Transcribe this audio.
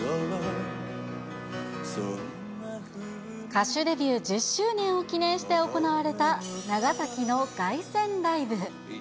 歌手デビュー１０周年を記念して行われた、長崎の凱旋ライブ。